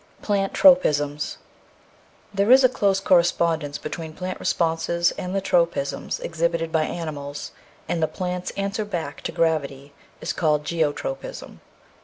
Plant Tropisms There is a close correspondence between plant responses and the tropisms exhibited by animals (see p. 78), and the plant's answer back to gravity is called geotropism.